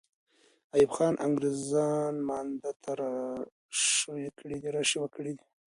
ایوب خان انګریزان مانده ته را شوه کړي دي.